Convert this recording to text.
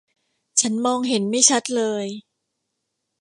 ฉันมองเห็นไม่ชัดเลย